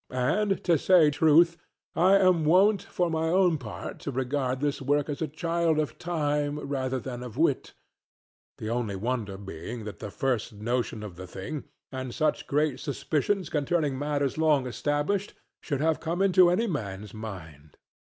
And to say truth, I am wont for my own part to regard this work as a child of time rather than of wit; the only wonder being that the first notion of the thing, and such great suspicions concerning matters long established, should have come into any man's mind.